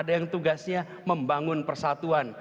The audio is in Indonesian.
ada yang tugasnya membangun persatuan